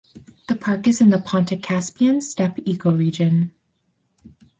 The park is in the Pontic–Caspian steppe ecoregion.